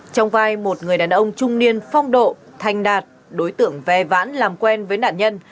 trong vai một người đàn ông trung niên phong độ thành đạt đối tượng ve vãn làm quen với nạn nhân